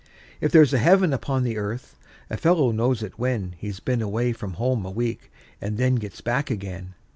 If there's a heaven upon the earth, a fellow knows it when He's been away from home a week, and then gets back again.